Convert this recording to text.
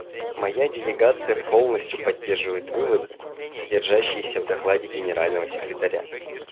Моя делегация полностью поддерживает выводы, содержащиеся в докладе Генерального секретаря.